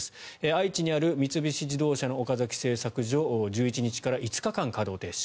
愛知にある三菱自動車の岡崎製作所１１日から５日間稼働停止。